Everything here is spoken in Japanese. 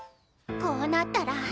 こうなったら。